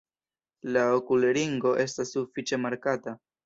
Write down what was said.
La okulringo estas sufiĉe markata.